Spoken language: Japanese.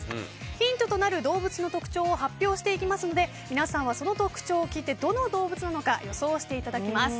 ヒントとなる動物の特徴を発表していきますので皆さんはその特徴を聞いてどの動物なのか予想をしていただきます。